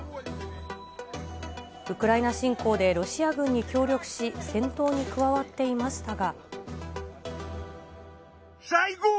ウクライナ侵攻でロシア軍に協力し、戦闘に加わっていましたが。